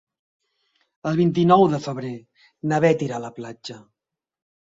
El vint-i-nou de febrer na Beth irà a la platja.